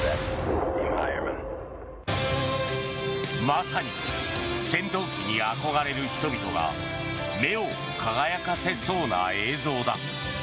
まさに戦闘機に憧れる人々が目を輝かせそうな映像だ。